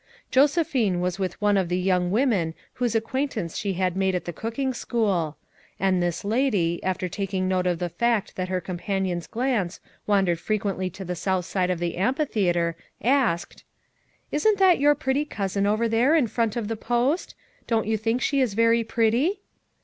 Josephine was with one of the young women whose acquaintance she had made at the cook ing school; and this lady, after taking note of the fact that her companion's glance wandered frequently to the south side of the amphithea ter, asked: "Isn't that your pretty cousin over there in front of the post? Don't you think she is veiy pretty?"